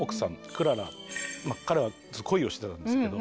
クララ彼は恋をしてたんですけど。